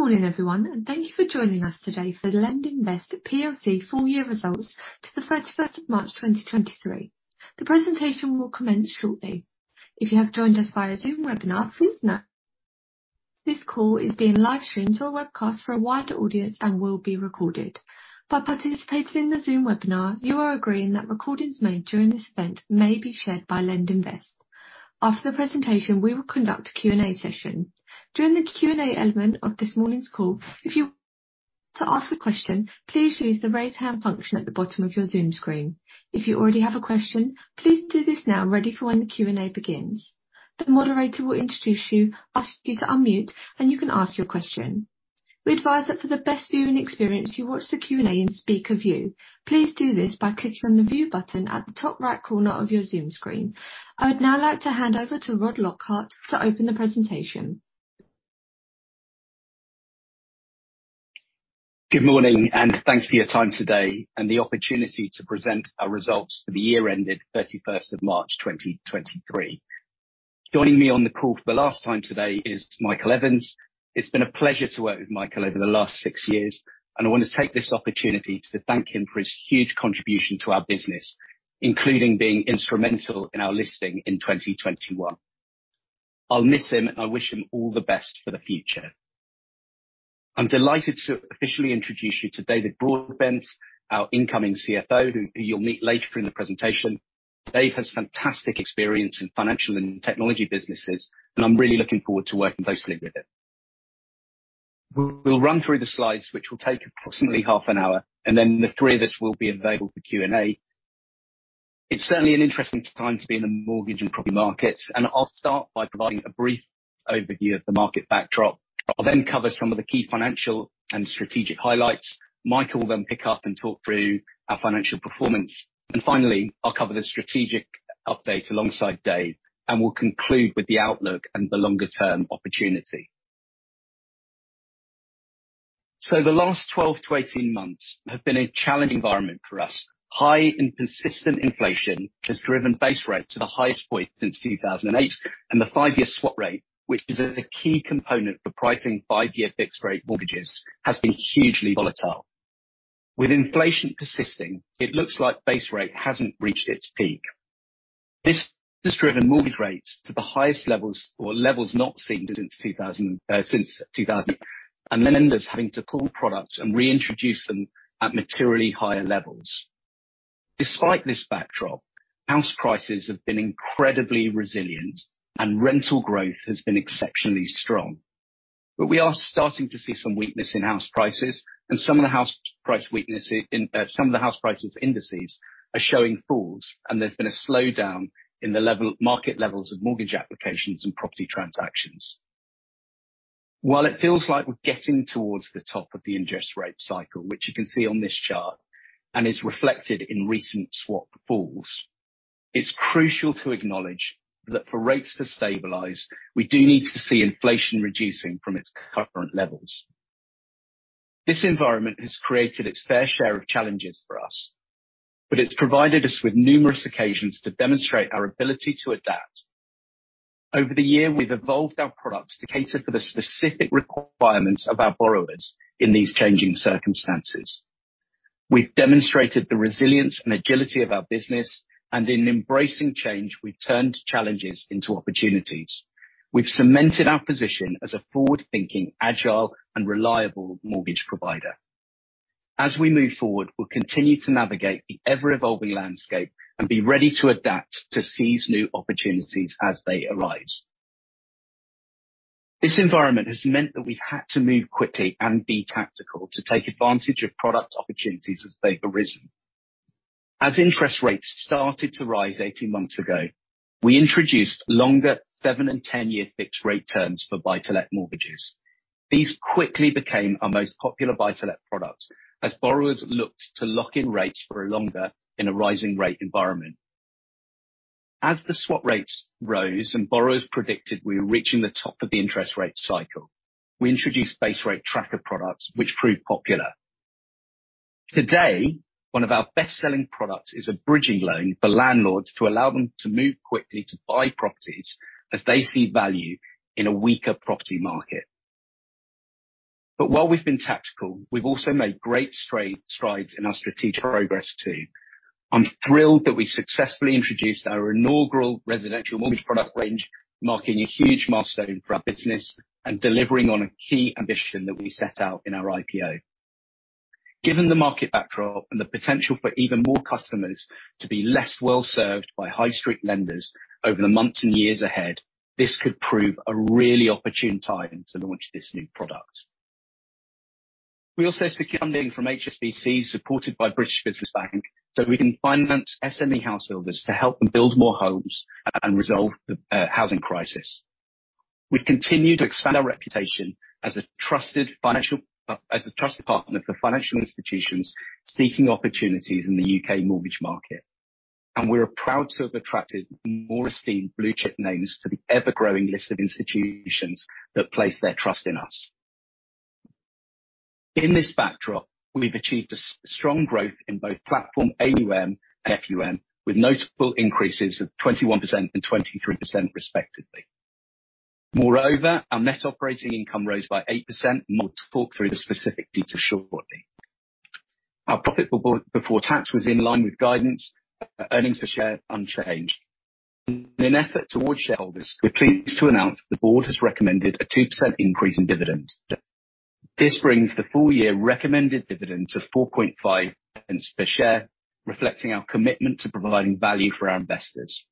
Good morning, everyone. Thank you for joining us today for the LendInvest PLC full year results to the 31st of March 2023. The presentation will commence shortly. If you have joined us via Zoom webinar, please note, this call is being live streamed to a webcast for a wider audience and will be recorded. By participating in the Zoom webinar, you are agreeing that recordings made during this event may be shared by LendInvest. After the presentation, we will conduct a Q&A session. During the Q&A element of this morning's call, to ask a question, please use the Raise Hand function at the bottom of your Zoom screen. If you already have a question, please do this now, ready for when the Q&A begins. The moderator will introduce you, ask you to unmute, and you can ask your question. We advise that for the best viewing experience, you watch the Q&A in Speaker View. Please do this by clicking on the View button at the top right corner of your Zoom screen. I would now like to hand over to Rod Lockhart to open the presentation. Good morning, thanks for your time today and the opportunity to present our results for the year ended 31st of March 2023. Joining me on the call for the last time today is Michael Evans. It's been a pleasure to work with Michael over the last six years, and I want to take this opportunity to thank him for his huge contribution to our business, including being instrumental in our listing in 2021. I'll miss him, and I wish him all the best for the future. I'm delighted to officially introduce you to David Broadbent, our incoming CFO, who you'll meet later in the presentation. Dave has fantastic experience in financial and technology businesses, and I'm really looking forward to working closely with him. We'll run through the slides, which will take approximately half an hour, and then the three of us will be available for Q&A. It's certainly an interesting time to be in the mortgage and property markets. I'll start by providing a brief overview of the market backdrop. I'll cover some of the key financial and strategic highlights. Michael will pick up and talk through our financial performance. Finally, I'll cover the strategic update alongside Dave. We'll conclude with the outlook and the longer-term opportunity. The last 12-18 months have been a challenging environment for us. High and consistent inflation has driven base rate to the highest point since 2008. The five-year swap rate, which is a key component for pricing five-year fixed-rate mortgages, has been hugely volatile. With inflation persisting, it looks like base rate hasn't reached its peak. This has driven mortgage rates to the highest levels or levels not seen since 2013, then lenders having to pull products and reintroduce them at materially higher levels. Despite this backdrop, house prices have been incredibly resilient and rental growth has been exceptionally strong. We are starting to see some weakness in house prices and some of the house price weakness in some of the house prices indices are showing falls, there's been a slowdown in market levels of mortgage applications and property transactions. While it feels like we're getting towards the top of the interest rate cycle, which you can see on this chart, is reflected in recent swap falls, it's crucial to acknowledge that for rates to stabilize, we do need to see inflation reducing from its current levels. This environment has created its fair share of challenges for us. It's provided us with numerous occasions to demonstrate our ability to adapt. Over the year, we've evolved our products to cater for the specific requirements of our borrowers in these changing circumstances. We've demonstrated the resilience and agility of our business. In embracing change, we've turned challenges into opportunities. We've cemented our position as a forward-thinking, agile, and reliable mortgage provider. As we move forward, we'll continue to navigate the ever-evolving landscape and be ready to adapt to seize new opportunities as they arise. This environment has meant that we've had to move quickly and be tactical to take advantage of product opportunities as they've arisen. As interest rates started to rise 18 months ago, we introduced longer seven and 10-year fixed rate terms for Buy-to-Let mortgages. These quickly became our most popular Buy-to-Let product, as borrowers looked to lock in rates for longer in a rising rate environment. As the swap rates rose and borrowers predicted we were reaching the top of the interest rate cycle, we introduced base rate tracker products, which proved popular. Today, one of our best-selling products is a bridging loan for landlords to allow them to move quickly to buy properties as they see value in a weaker property market. While we've been tactical, we've also made great strides in our strategic progress, too. I'm thrilled that we successfully introduced our inaugural residential mortgage product range, marking a huge milestone for our business and delivering on a key ambition that we set out in our IPO. Given the market backdrop and the potential for even more customers to be less well served by high street lenders over the months and years ahead, this could prove a really opportune time to launch this new product. We also seek funding from HSBC, supported by British Business Bank, so we can finance SME house builders to help them build more homes and resolve the housing crisis. We've continued to expand our reputation as a trusted partner for financial institutions seeking opportunities in the U.K. mortgage market, and we're proud to have attracted more esteemed blue-chip names to the ever-growing list of institutions that place their trust in us. In this backdrop, we've achieved strong growth in both Platform AuM and FuM, with notable increases of 21% and 23% respectively. Moreover, our net operating income rose by 8%, and we'll talk through the specific details shortly. Our profit before tax was in line with guidance, earnings per share unchanged. In an effort towards shareholders, we're pleased to announce the board has recommended a 2% increase in dividend. This brings the full year recommended dividend to 4.5 pence per share, reflecting our commitment to providing value for our investors.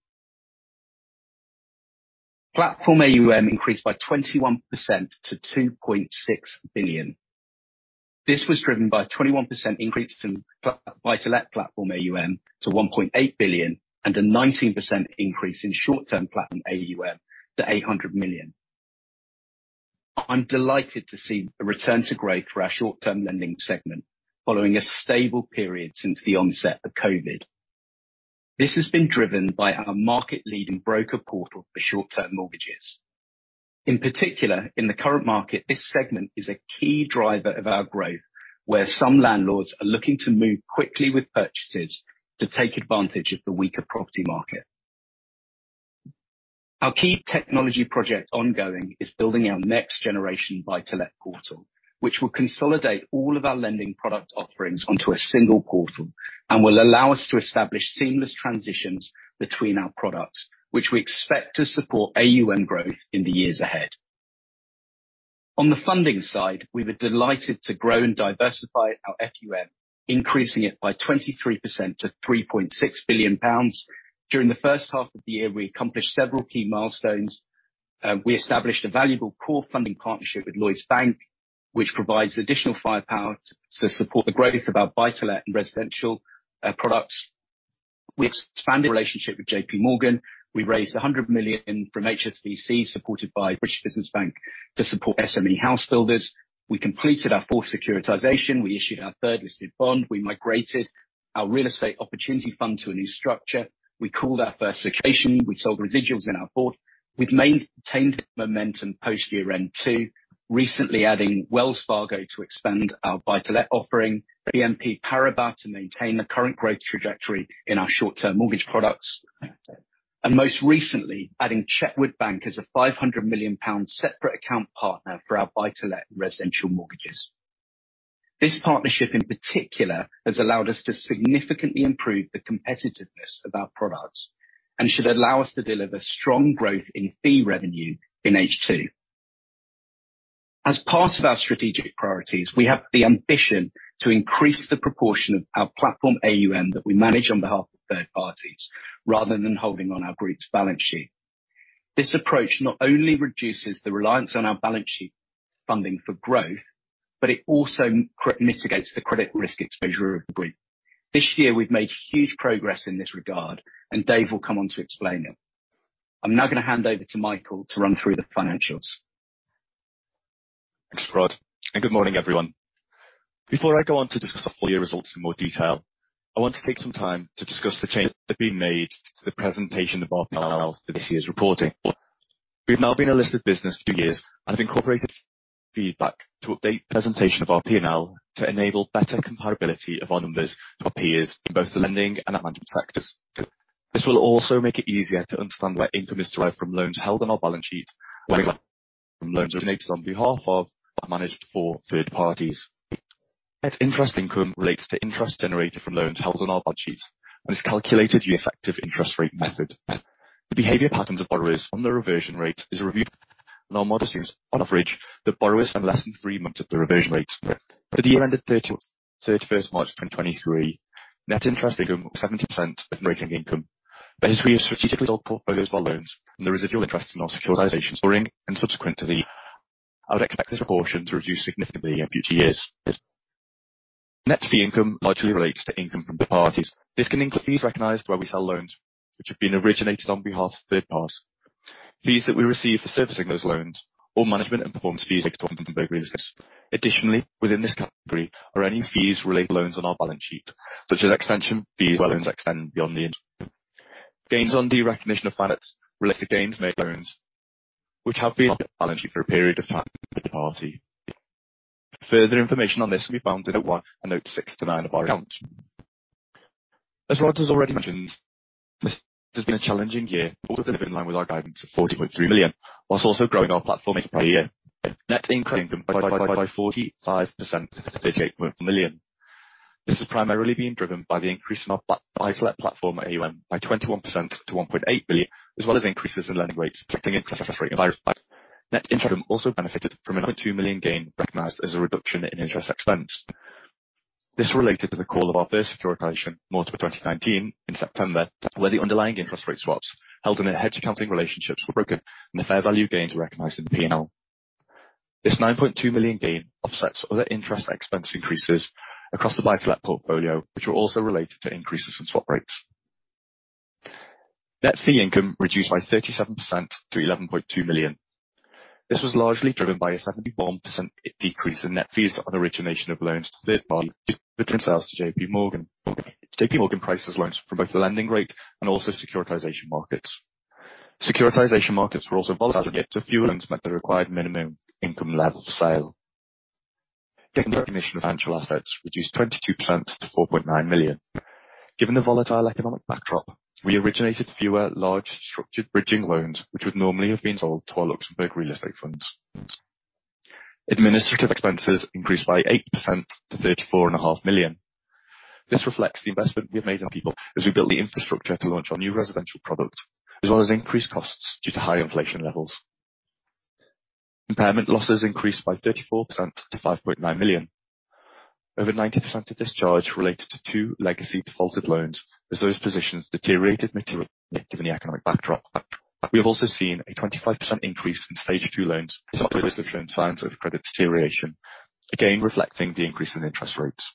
Platform AuM increased by 21% to 2.6 billion. This was driven by a 21% increase to Buy-to-Let Platform AuM to 1.8 billion, and a 19% increase in short-term Platform AuM to 800 million. I'm delighted to see a return to growth for our short-term lending segment, following a stable period since the onset of COVID. This has been driven by our market-leading broker portal for short-term mortgages. In particular, in the current market, this segment is a key driver of our growth, where some landlords are looking to move quickly with purchases to take advantage of the weaker property market. Our key technology project ongoing is building our next generation Buy-to-Let portal, which will consolidate all of our lending product offerings onto a single portal and will allow us to establish seamless transitions between our products, which we expect to support AuM growth in the years ahead. On the funding side, we were delighted to grow and diversify our FuM, increasing it by 23% to 3.6 billion pounds. During the first half of the year, we accomplished several key milestones. We established a valuable core funding partnership with Lloyds Bank, which provides additional firepower to support the growth of our Buy-to-Let and residential products. We expanded relationship with JPMorgan. We raised 100 million from HSBC, supported by British Business Bank to support SME house builders. We completed our fourth securitization. We issued our third listed bond. We migrated our real estate opportunity fund to a new structure. We called our first securitization. We sold residuals in our board. We've maintained momentum post year-end, too, recently adding Wells Fargo to expand our Buy-to-Let offering, BNP Paribas to maintain the current growth trajectory in our short-term mortgage products. Most recently, adding Chetwood Bank as a 500 million pounds separate account partner for our Buy-to-Let residential mortgages. This partnership, in particular, has allowed us to significantly improve the competitiveness of our products and should allow us to deliver strong growth in fee revenue in H2. As part of our strategic priorities, we have the ambition to increase the proportion of our Platform AuM, that we manage on behalf of third parties, rather than holding on our group's balance sheet. This approach not only reduces the reliance on our balance sheet funding for growth, but it also mitigates the credit risk exposure of the group. This year, we've made huge progress in this regard, and Dave will come on to explain it. I'm now going to hand over to Michael to run through the financials. Thanks, Rod. Good morning, everyone. Before I go on to discuss the full year results in more detail, I want to take some time to discuss the changes that have been made to the presentation of our P&L for this year's reporting. We've now been a listed business for two years and have incorporated feedback to update presentation of our P&L to enable better comparability of our numbers to our peers in both the lending and management sectors. This will also make it easier to understand where income is derived from loans held on our balance sheet or from loans originated on behalf of or managed for third parties. Net interest income relates to interest generated from loans held on our balance sheet and is calculated using effective interest rate method. The behavior patterns of borrowers on the reversion rate is reviewed. Our model assumes, on average, that borrowers have less than three months of the reversion rates. For the year ended 31st March 2023, net interest income, 70% of net income. As we have strategically built portfolios of our loans and the residual interest in our securitization exploring, subsequently, I would expect this proportion to reduce significantly in future years. Net fee income largely relates to income from third parties. This can include fees recognized where we sell loans, which have been originated on behalf of third parties. Fees that we receive for servicing those loans or management and performance fees from the business. Additionally, within this category are any fees related to loans on our balance sheet, such as extension fees, where loans extend beyond the interest. Gains on the recognition of finance related to gains made loans, which have been on the balance sheet for a period of time with the party. Further information on this can be found in note one and note six to nine of our account. As Rod Lockhart has already mentioned, this has been a challenging year, but we're in line with our guidance of 40.3 million, whilst also growing our Platform AuM. Net income by 45% to 38.4 million. This has primarily been driven by the increase in our Buy-to-Let Platform AuM by 21% to 1.8 billion, as well as increases in lending rates, keeping interest rate environment. Net income also benefited from a 9.2 million gain recognized as a reduction in interest expense. This related to the call of our first securitization, Mortimer BTL 2019-1, in September, where the underlying interest rate swaps held in a hedge accounting relationships were broken, and the fair value gains were recognized in the P&L. This 9.2 million gain offsets other interest expense increases across the Buy-to-Let portfolio, which were also related to increases in swap rates. Net fee income reduced by 37% to 11.2 million. This was largely driven by a 71% decrease in net fees on origination of loans to third party between sales to JPMorgan. JPMorgan prices loans from both the lending rate and also securitization markets were also volatile to fuel and meet the required minimum income level for sale. Gains on the recognition of financial assets reduced 22% to 4.9 million. Given the volatile economic backdrop, we originated fewer large structured bridging loans, which would normally have been sold to our Luxembourg real estate funds. Administrative expenses increased by 8% to 34.5 million. This reflects the investment we have made in people as we build the infrastructure to launch our new residential product, as well as increased costs due to high inflation levels. Impairment losses increased by 34% to 5.9 million. Over 90% of this charge related to two legacy defaulted loans, as those positions deteriorated materially given the economic backdrop. We have also seen a 25% increase in Stage 2 loans, signs of credit deterioration, again, reflecting the increase in interest rates.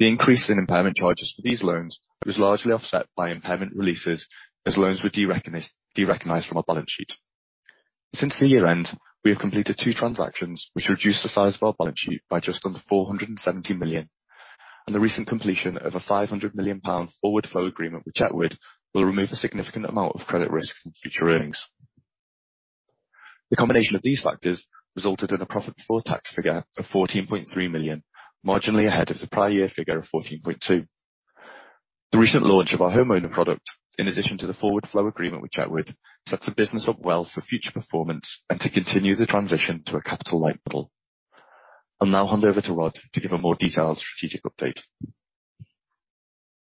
The increase in impairment charges for these loans was largely offset by impairment releases as loans were derecognized from our balance sheet. Since the year-end, we have completed two transactions, which reduced the size of our balance sheet by just under 470 million. The recent completion of a 500 million pound forward flow agreement with Chetwood will remove a significant amount of credit risk from future earnings. The combination of these factors resulted in a profit before tax figure of 14.3 million, marginally ahead of the prior year figure of 14.2 million. The recent launch of our homeowner product, in addition to the forward flow agreement with Chetwood, sets the business up well for future performance and to continue the transition to a capital-light model. I'll now hand over to Rod to give a more detailed strategic update.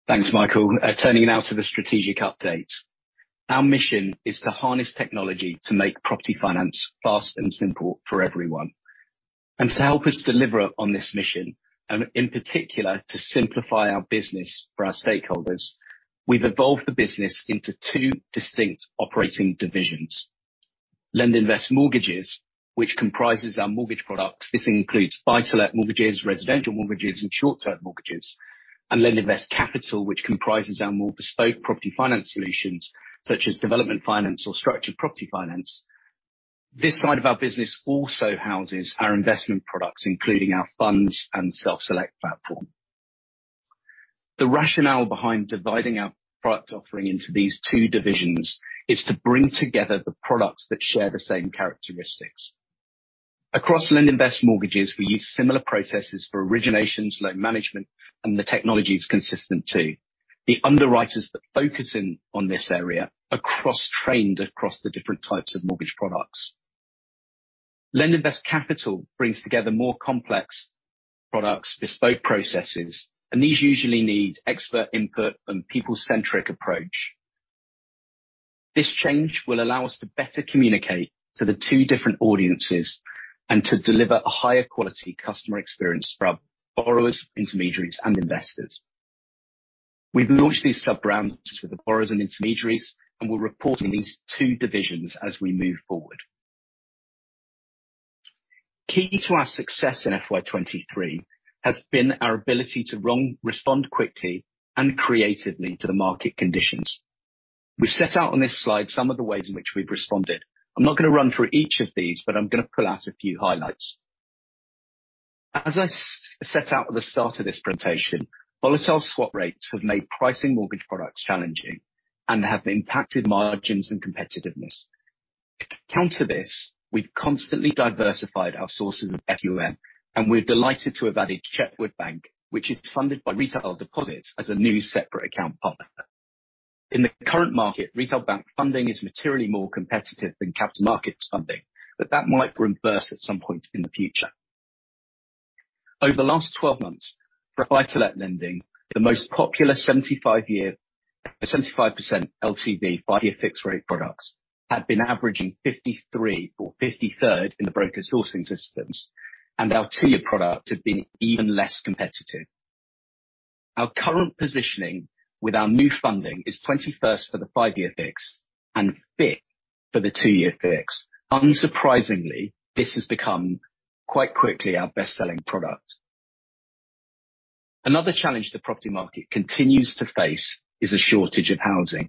Thanks, Michael. Turning now to the strategic update. Our mission is to harness technology to make property finance fast and simple for everyone. To help us deliver on this mission, and in particular, to simplify our business for our stakeholders, we've evolved the business into two distinct operating divisions: LendInvest Mortgages, which comprises our mortgage products. This includes Buy-to-Let mortgages, residential mortgages, and short-term mortgages. LendInvest Capital, which comprises our more bespoke property finance solutions, such as development finance or structured property finance. This side of our business also houses our investment products, including our funds and self-select platform. The rationale behind dividing our product offering into these two divisions is to bring together the products that share the same characteristics. Across LendInvest Mortgages, we use similar processes for originations, loan management, and the technology is consistent, too. The underwriters that focus in on this area are cross-trained across the different types of mortgage products. LendInvest Capital brings together more complex products, bespoke processes, and these usually need expert input and people-centric approach. This change will allow us to better communicate to the two different audiences and to deliver a higher quality customer experience for our borrowers, intermediaries, and investors. We've launched these sub-brands with the borrowers and intermediaries, and we're reporting these two divisions as we move forward. Key to our success in FY 2023 has been our ability to respond quickly and creatively to the market conditions. We've set out on this slide some of the ways in which we've responded. I'm not going to run through each of these, but I'm going to pull out a few highlights. As I set out at the start of this presentation, volatile swap rates have made pricing mortgage products challenging and have impacted margins and competitiveness. To counter this, we've constantly diversified our sources of AuM, and we're delighted to have added Chetwood Bank, which is funded by retail deposits as a new separate account partner. In the current market, retail bank funding is materially more competitive than capital markets funding, but that might reverse at some point in the future. Over the last 12 months, for Buy-to-Let lending, the most popular 75% LTV five-year fixed-rate products have been averaging 53rd in the broker sourcing systems, and our two-year product had been even less competitive. Our current positioning with our new funding is 21st for the five-year fixed and 5th for the two-year fixed. Unsurprisingly, this has become, quite quickly, our best-selling product. Another challenge the property market continues to face is a shortage of housing.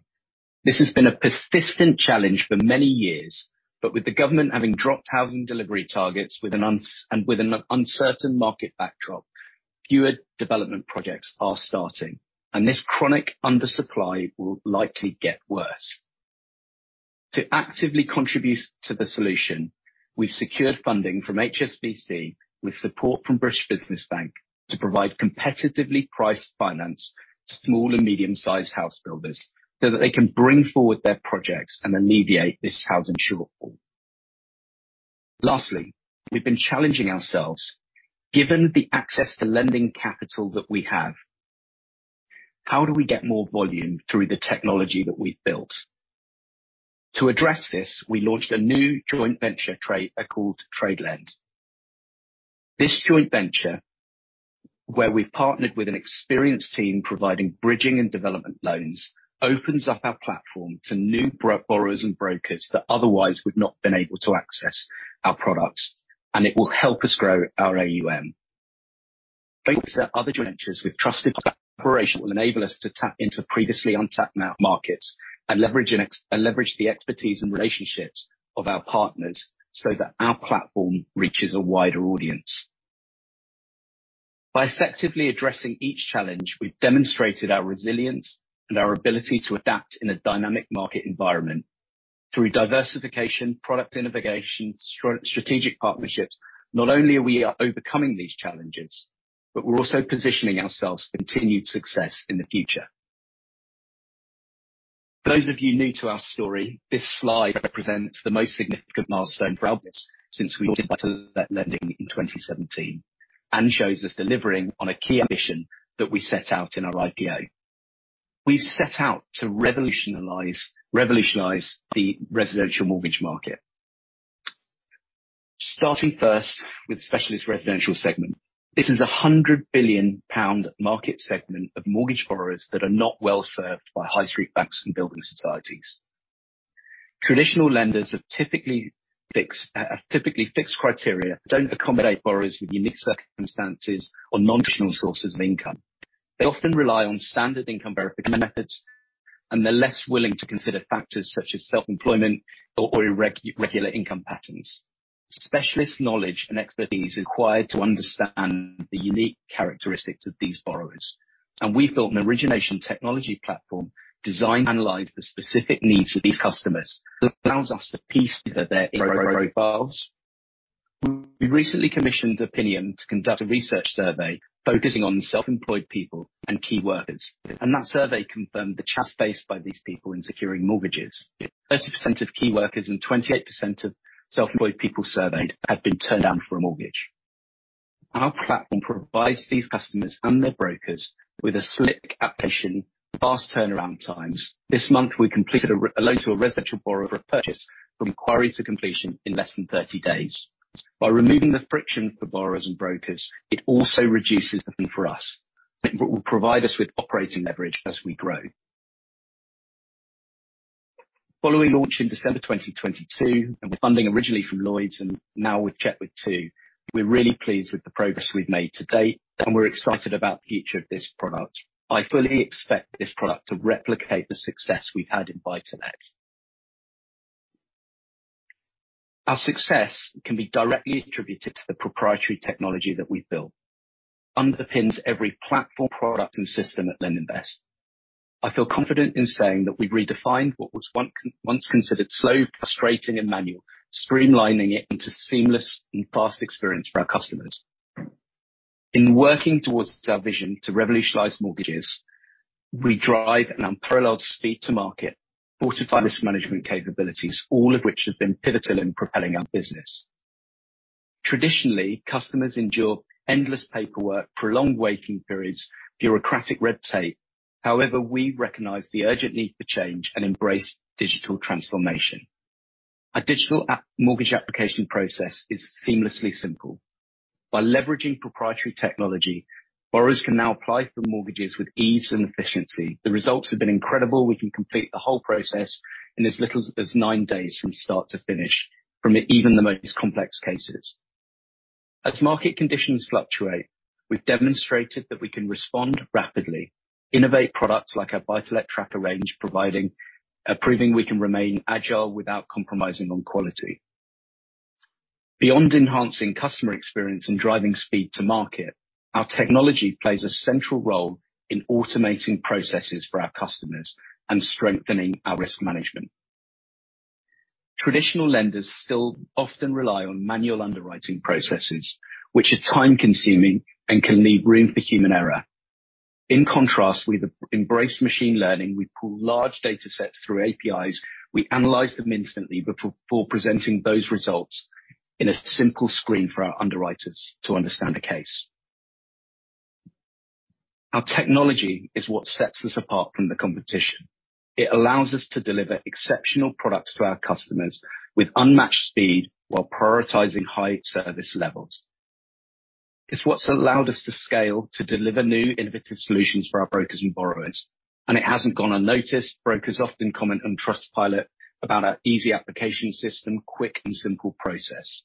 This has been a persistent challenge for many years, but with the government having dropped housing delivery targets, and with an uncertain market backdrop, fewer development projects are starting, and this chronic undersupply will likely get worse. To actively contribute to the solution, we've secured funding from HSBC, with support from British Business Bank, to provide competitively priced finance to small and medium-sized house builders, so that they can bring forward their projects and alleviate this housing shortfall. Lastly, we've been challenging ourselves, given the access to lending capital that we have, how do we get more volume through the technology that we've built? To address this, we launched a new joint venture trade called TradeLend. This joint venture, where we've partnered with an experienced team providing bridging and development loans, opens up our platform to new borrowers and brokers that otherwise would not been able to access our products. It will help us grow our AuM. Thanks to our other joint ventures with trusted corporation, will enable us to tap into previously untapped markets and leverage the expertise and relationships of our partners so that our platform reaches a wider audience. By effectively addressing each challenge, we've demonstrated our resilience and our ability to adapt in a dynamic market environment. Through diversification, product innovation, strategic partnerships, not only are we overcoming these challenges, but we're also positioning ourselves for continued success in the future. For those of you new to our story, this slide represents the most significant milestone for our business since we launched lending in 2017, and shows us delivering on a key ambition that we set out in our IPO. We've set out to revolutionize the residential mortgage market. Starting first with specialist residential segment. This is a 100 billion pound market segment of mortgage borrowers that are not well served by high street banks and building societies. Traditional lenders have typically fixed criteria, don't accommodate borrowers with unique circumstances or non-traditional sources of income. They often rely on standard income verification methods, and they're less willing to consider factors such as self-employment or regular income patterns. Specialist knowledge and expertise is required to understand the unique characteristics of these borrowers. We've built an origination technology platform designed to analyze the specific needs of these customers, that allows us to piece together their profiles. We recently commissioned Opinium to conduct a research survey focusing on self-employed people and key workers. That survey confirmed the trust faced by these people in securing mortgages. 30% of key workers and 28% of self-employed people surveyed had been turned down for a mortgage. Our platform provides these customers and their brokers with a slick application, fast turnaround times. This month, we completed a loan to a residential borrower purchase from query to completion in less than 30 days. By removing the friction for borrowers and brokers, it also reduces the fee for us. It will provide us with operating leverage as we grow. Following launch in December 2022, and with funding originally from Lloyds, and now with Chetwood too, we're really pleased with the progress we've made to date, and we're excited about the future of this product. I fully expect this product to replicate the success we've had in Buy-to-Let. Our success can be directly attributed to the proprietary technology that we've built. Underpins every platform, product, and system at LendInvest. I feel confident in saying that we've redefined what was once considered slow, frustrating, and manual, streamlining it into seamless and fast experience for our customers. In working towards our vision to revolutionize mortgages, we drive an unparalleled speed to market, fortified risk management capabilities, all of which have been pivotal in propelling our business. Traditionally, customers endure endless paperwork, prolonged waiting periods, bureaucratic red tape. We recognize the urgent need for change and embrace digital transformation. Our digital mortgage application process is seamlessly simple. By leveraging proprietary technology, borrowers can now apply for mortgages with ease and efficiency. The results have been incredible. We can complete the whole process in as little as nine days from start to finish, from even the most complex cases. As market conditions fluctuate, we've demonstrated that we can respond rapidly, innovate products like our Buy-to-Let Tracker range, proving we can remain agile without compromising on quality. Beyond enhancing customer experience and driving speed to market, our technology plays a central role in automating processes for our customers and strengthening our risk management. Traditional lenders still often rely on manual underwriting processes, which are time-consuming and can leave room for human error. In contrast, we've embraced machine learning. We pull large data sets through APIs. We analyze them instantly before presenting those results in a simple screen for our underwriters to understand the case. Our technology is what sets us apart from the competition. It allows us to deliver exceptional products to our customers with unmatched speed while prioritizing high service levels. It's what's allowed us to scale, to deliver new innovative solutions for our brokers and borrowers, and it hasn't gone unnoticed. Brokers often comment on Trustpilot about our easy application system, quick and simple process.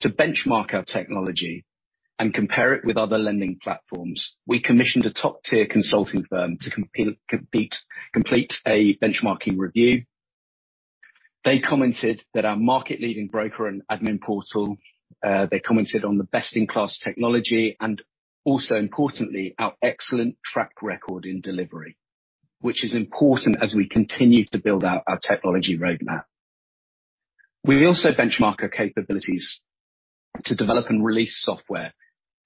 To benchmark our technology and compare it with other lending platforms, we commissioned a top-tier consulting firm to complete a benchmarking review. They commented that our market-leading broker and admin portal, they commented on the best-in-class technology and also, importantly, our excellent track record in delivery, which is important as we continue to build out our technology roadmap. We also benchmark our capabilities to develop and release software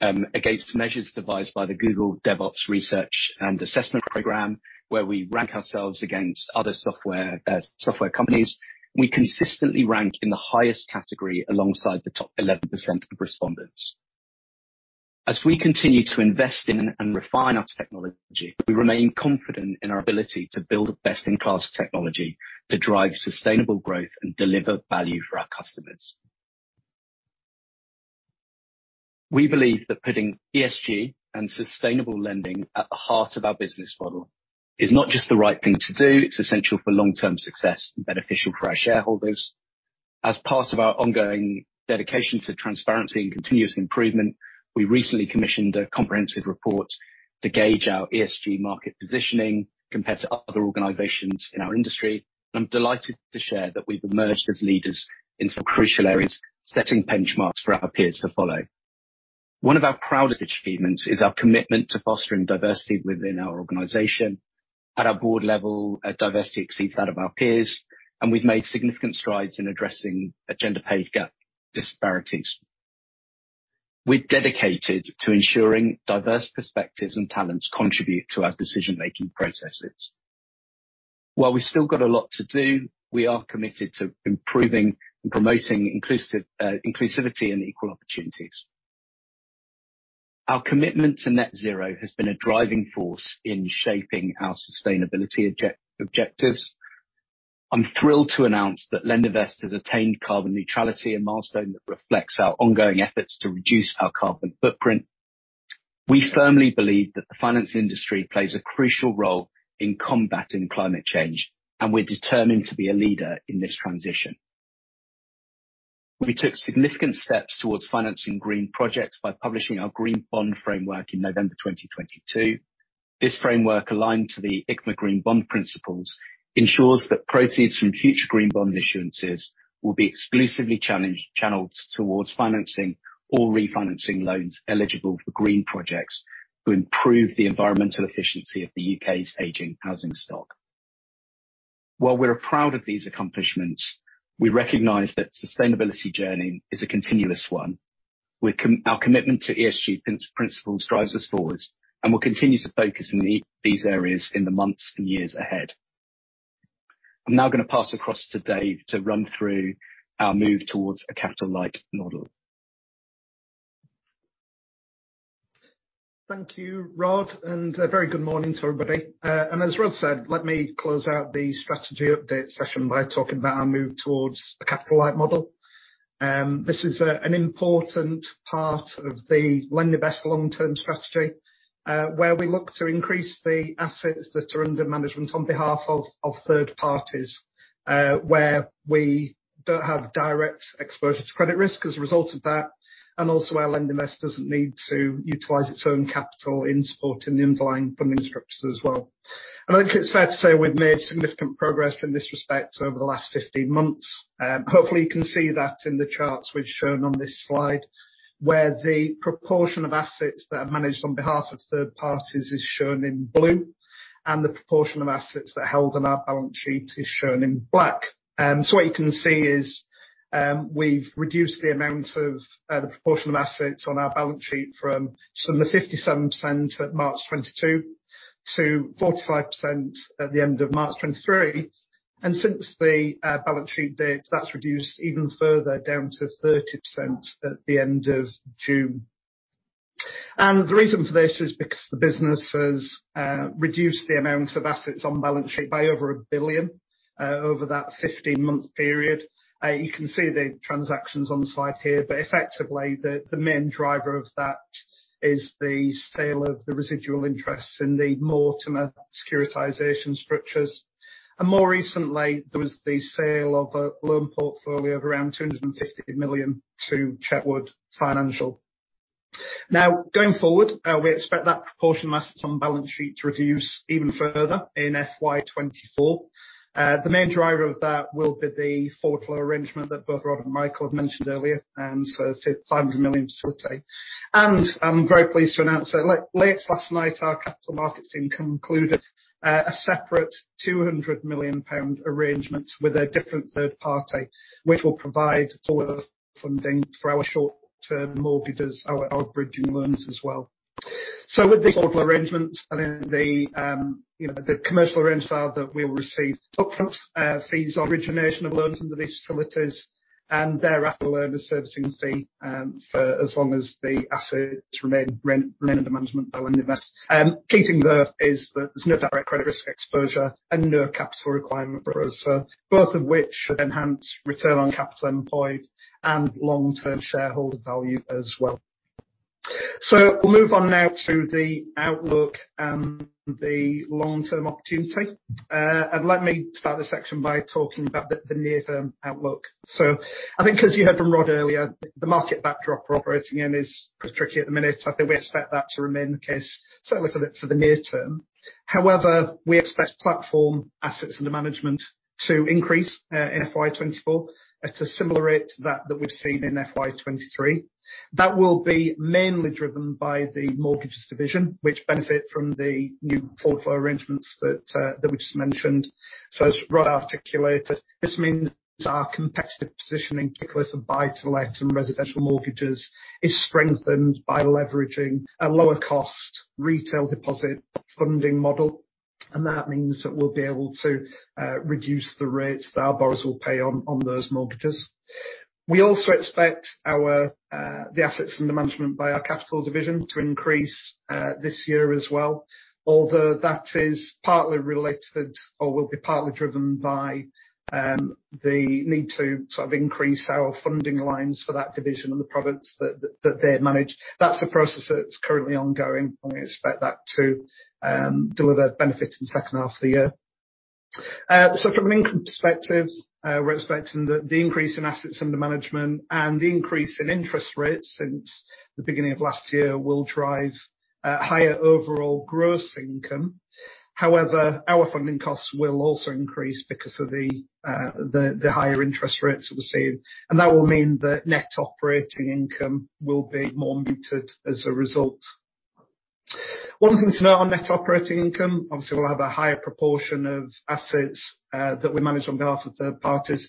against measures devised by the Google DevOps Research and Assessment program, where we rank ourselves against other software companies. We consistently rank in the highest category alongside the top 11% of respondents. As we continue to invest in and refine our technology, we remain confident in our ability to build a best-in-class technology to drive sustainable growth and deliver value for our customers. We believe that putting ESG and sustainable lending at the heart of our business model is not just the right thing to do, it's essential for long-term success and beneficial for our shareholders. As part of our ongoing dedication to transparency and continuous improvement, we recently commissioned a comprehensive report to gauge our ESG market positioning compared to other organizations in our industry. I'm delighted to share that we've emerged as leaders in some crucial areas, setting benchmarks for our peers to follow. One of our proudest achievements is our commitment to fostering diversity within our organization. At our board level, our diversity exceeds that of our peers, and we've made significant strides in addressing a gender pay gap disparities. We're dedicated to ensuring diverse perspectives and talents contribute to our decision-making processes. While we've still got a lot to do, we are committed to improving and promoting inclusive inclusivity and equal opportunities. Our commitment to net zero has been a driving force in shaping our sustainability objectives. I'm thrilled to announce that LendInvest has attained carbon neutrality, a milestone that reflects our ongoing efforts to reduce our carbon footprint. We firmly believe that the finance industry plays a crucial role in combating climate change, and we're determined to be a leader in this transition. We took significant steps towards financing green projects by publishing our Green Bond Framework in November 2022. This framework, aligned to the ICMA Green Bond Principles, ensures that proceeds from future green bond issuances will be exclusively channeled towards financing or refinancing loans eligible for green projects to improve the environmental efficiency of the U.K.'s aging housing stock. While we're proud of these accomplishments, we recognize that sustainability journey is a continuous one. Our commitment to ESG principles drives us forward, and we'll continue to focus in these areas in the months and years ahead. I'm now gonna pass across to Dave to run through our move towards a capital-light model. Thank you, Rod, and a very good morning to everybody. As Rod said, let me close out the strategy update session by talking about our move towards a capital-light model. This is an important part of the LendInvest long-term strategy, where we look to increase the assets that are under management on behalf of third parties, where we don't have direct exposure to credit risk as a result of that, and also where LendInvest doesn't need to utilize its own capital in supporting the underlying funding structures as well. I think it's fair to say we've made significant progress in this respect over the last 15 months. Hopefully, you can see that in the charts we've shown on this slide, where the proportion of assets that are managed on behalf of third parties is shown in blue, and the proportion of assets that are held on our balance sheet is shown in black. What you can see is, we've reduced the amount of the proportion of assets on our balance sheet from 57% at March 2022 to 45% at the end of March 2023. Since the balance sheet date, that's reduced even further down to 30% at the end of June. The reason for this is because the business has reduced the amount of assets on balance sheet by over 1 billion over that 15-month period. You can see the transactions on the slide here, effectively, the main driver of that is the sale of the residual interests in the Mortimer securitization structures. More recently, there was the sale of a loan portfolio of around 250 million to Chetwood Financial. Going forward, we expect that proportion of assets on balance sheet to reduce even further in FY 2024. The main driver of that will be the forward flow arrangement that both Rod and Michael have mentioned earlier, so 500 million facility. I'm very pleased to announce that late last night, our capital markets team concluded a separate 200 million pound arrangement with a different third party, which will provide further funding for our short-term mortgages, our bridging loans as well. With these order arrangements, you know, the commercial arrangements are that we'll receive upfront fees, origination of loans under these facilities, and thereafter, a loan and servicing fee for as long as the assets remain under management by LendInvest. Key thing there is that there's no direct credit risk exposure and no capital requirement for us, both of which should enhance return on capital employed and long-term shareholder value as well. We'll move on now to the outlook and the long-term opportunity. Let me start this section by talking about the near-term outlook. I think as you heard from Rod earlier, the market backdrop we're operating in is pretty tricky at the minute. I think we expect that to remain the case, certainly for the near term. However, we expect Platform AuM to increase in FY 2024 at a similar rate to that we've seen in FY 2023. That will be mainly driven by Mortgages Division, which benefit from the new forward flow arrangements that we just mentioned. As Rod articulated, this means our competitive positioning, particularly for Buy-to-Let and residential mortgages, is strengthened by leveraging a lower cost retail deposit funding model, and that means that we'll be able to reduce the rates that our borrowers will pay on those mortgages. We also expect our the AuM by our LendInvest Capital to increase this year as well, although that is partly related or will be partly driven by the need to sort of increase our funding lines for that division and the products that they manage. That's a process that's currently ongoing. We expect that to deliver benefits in the second half of the year. From an income perspective, we're expecting that the increase in assets under management and the increase in interest rates since the beginning of last year will drive higher overall gross income. Our funding costs will also increase because of the higher interest rates that we're seeing. That will mean that net operating income will be more muted as a result. One thing to note on net operating income, obviously, we'll have a higher proportion of assets that we manage on behalf of third parties.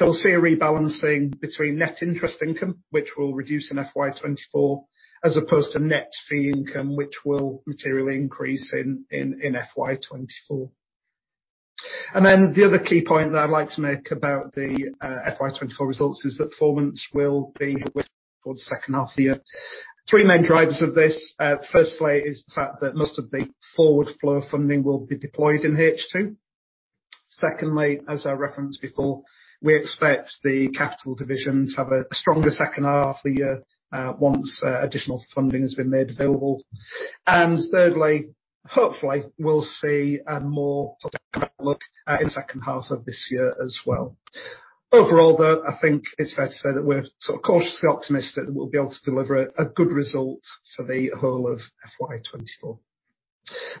We'll see a rebalancing between net interest income, which will reduce in FY 2024, as opposed to net fee income, which will materially increase in FY 2024. The other key point that I'd like to make about the FY 2024 results is that performance will be for the second half of the year. Three main drivers of this, firstly, is the fact that most of the forward flow of funding will be deployed in H2. Secondly, as I referenced before, we expect the capital divisions have a stronger second half of the year once additional funding has been made available. Thirdly, hopefully, we'll see a more in the second half of this year as well. Overall, though, I think it's fair to say that we're sort of cautiously optimistic that we'll be able to deliver a good result for the whole of FY 2024.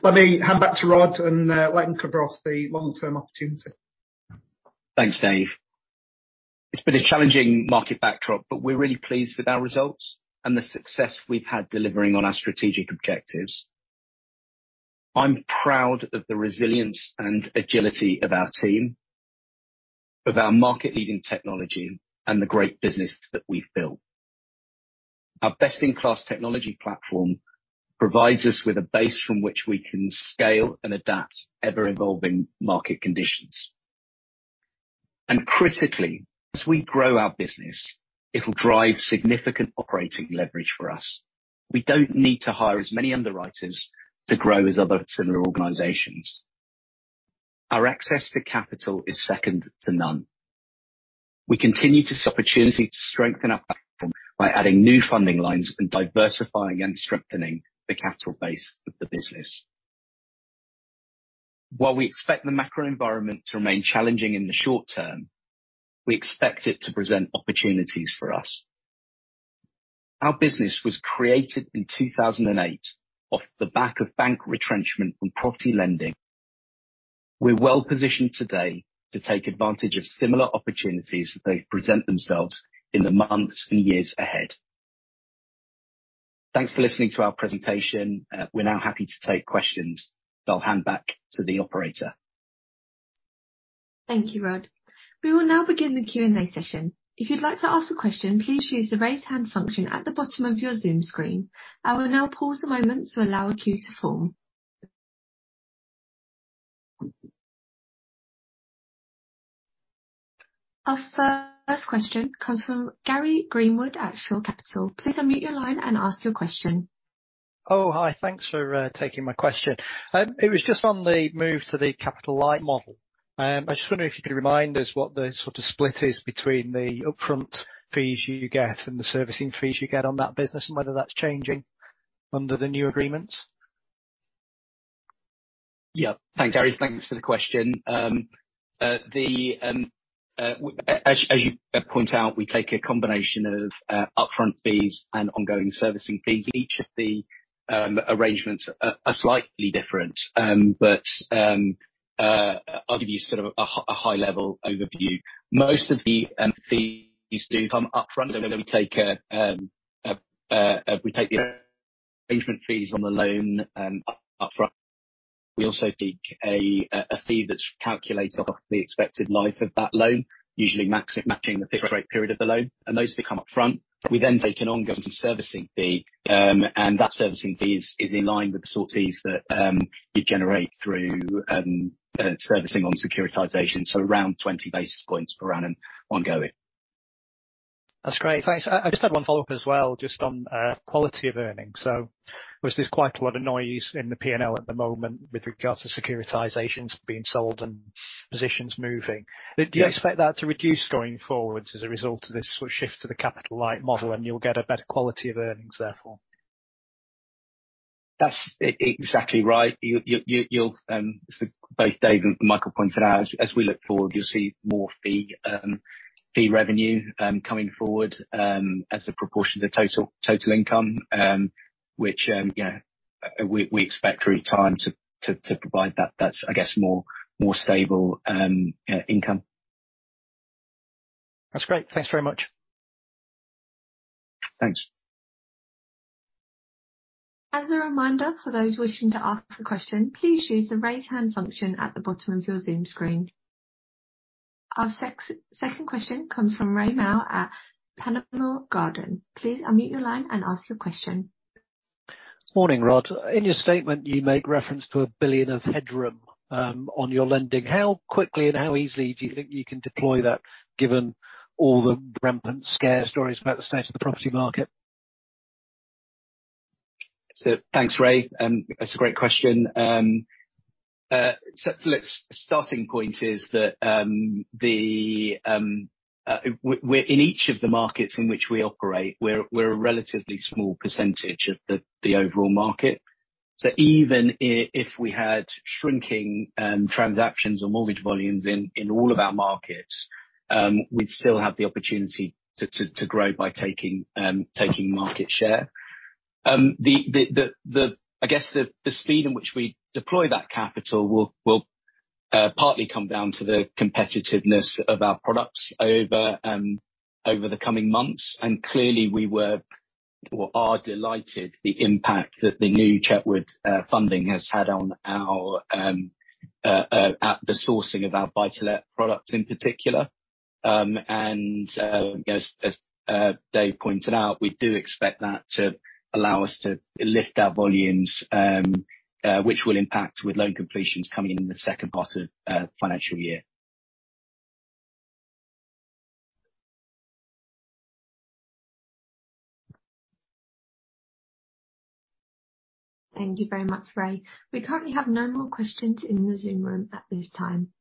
Let me hand back to Rod and let him cover off the long-term opportunity. Thanks, Dave. It's been a challenging market backdrop, but we're really pleased with our results and the success we've had delivering on our strategic objectives. I'm proud of the resilience and agility of our team, of our market-leading technology, and the great business that we've built. Our best-in-class technology platform provides us with a base from which we can scale and adapt ever-evolving market conditions. Critically, as we grow our business, it'll drive significant operating leverage for us. We don't need to hire as many underwriters to grow as other similar organizations. Our access to capital is second to none. We continue to see opportunity to strengthen our platform by adding new funding lines and diversifying and strengthening the capital base of the business. While we expect the macro environment to remain challenging in the short term, we expect it to present opportunities for us. Our business was created in 2008 off the back of bank retrenchment from property lending. We're well positioned today to take advantage of similar opportunities as they present themselves in the months and years ahead. Thanks for listening to our presentation. We're now happy to take questions. I'll hand back to the operator. Thank you, Rod. We will now begin the Q&A session. If you'd like to ask a question, please use the Raise Hand function at the bottom of your Zoom screen. I will now pause a moment to allow a queue to form. Our first question comes from Gary Greenwood at Shore Capital. Please unmute your line and ask your question. Hi. Thanks for taking my question. It was just on the move to the capital-light model. I just wonder if you could remind us what the sort of split is between the upfront fees you get and the servicing fees you get on that business, and whether that's changing under the new agreements? Yeah. Thanks, Gary. Thanks for the question. As you point out, we take a combination of upfront fees and ongoing servicing fees. Each of the arrangements are slightly different. I'll give you sort of a high-level overview. Most of the fees do come upfront, where we take the arrangement fees on the loan upfront. We also take a fee that's calculated off the expected life of that loan, usually matching the fixed-rate period of the loan, and those fees come upfront. We then take an ongoing servicing fee. That servicing fee is in line with the sort of fees that you'd generate through servicing on securitization, so around 20 basis points per annum ongoing. That's great. Thanks. I just had one follow-up as well, just on quality of earnings. There's quite a lot of noise in the P&L at the moment with regards to securitizations being sold and positions moving. Yeah. Do you expect that to reduce going forward as a result of this sort of shift to the capital-light model, and you'll get a better quality of earnings, therefore? That's exactly right. Both Dave and Michael pointed out, as we look forward, you'll see more fee revenue coming forward, as a proportion of the total income, which, yeah, we expect through time to provide that. That's, I guess, more stable income. That's great. Thanks very much. Thanks. As a reminder, for those wishing to ask a question, please use the Raise Hand function at the bottom of your Zoom screen. Our second question comes from Rae Maile at Panmure Gordon. Please unmute your line and ask your question. Morning, Rod. In your statement, you make reference to 1 billion of headroom on your lending. How quickly and how easily do you think you can deploy that, given all the rampant scare stories about the state of the property market? Thanks, Rae. That's a great question. Starting point is that, in each of the markets in which we operate, we're a relatively small percentage of the overall market. Even if we had shrinking transactions or mortgage volumes in all of our markets, we'd still have the opportunity to grow by taking market share. I guess, the speed in which we deploy that capital will partly come down to the competitiveness of our products over the coming months. Clearly, we were or are delighted the impact that the new Chetwood funding has had on our at the sourcing of our Buy-to-Let product in particular. As Dave pointed out, we do expect that to allow us to lift our volumes, which will impact with loan completions coming in the second part of financial year. Thank you very much, Rae. We currently have no more questions in the Zoom room at this time.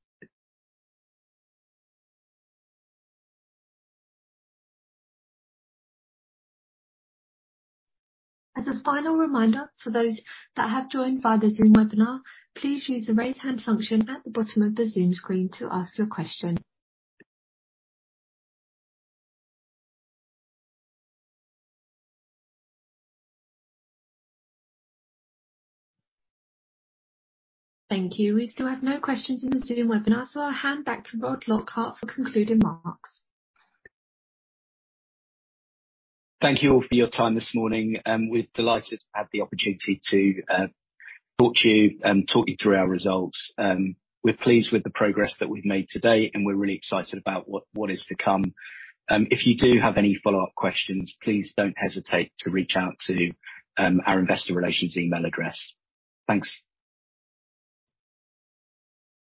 As a final reminder for those that have joined via the Zoom webinar, please use the Raise Hand function at the bottom of the Zoom screen to ask your question. Thank you. We still have no questions in the Zoom webinar, so I'll hand back to Rod Lockhart for concluding remarks. Thank you all for your time this morning. We're delighted to have the opportunity to talk to you and talk you through our results. We're pleased with the progress that we've made today. We're really excited about what is to come. If you do have any follow-up questions, please don't hesitate to reach out to our investor relations email address. Thanks.